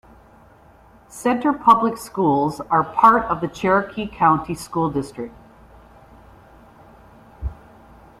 Centre Public Schools are part of the Cherokee County School District.